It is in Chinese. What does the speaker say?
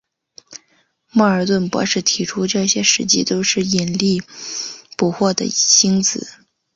莫尔顿博士提出这些实际都是引力捕获的星子。